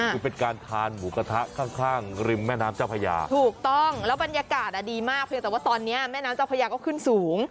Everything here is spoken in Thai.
คือเป็นการทานหมูกระทะข้างข้างริมแม่น้ำเจ้าพญาถูกต้องแล้วบรรยากาศดีมากเพียงแต่ว่าตอนนี้แม่น้ำเจ้าพญาก็ขึ้นสูง